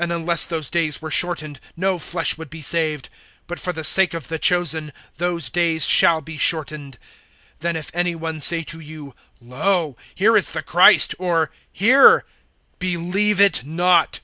(22)And unless those days were shortened, no flesh would be saved; but for the sake of the chosen, those days shall be shortened. (23)Then if any one say to you: Lo, here is the Christ, or, Here, believe it not.